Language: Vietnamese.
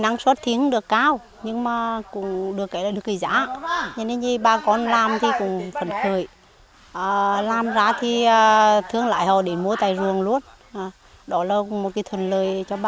nên bà con rất phấn khởi